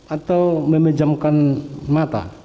atau memejamkan mata